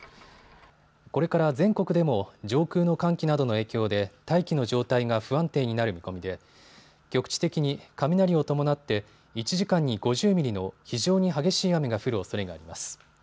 これから全国でも上空の寒気などの影響で大気の状態が不安定になる見込みで局地的に雷を伴って１時間に５０ミリの非常に激しい雨が降るおそれがあります。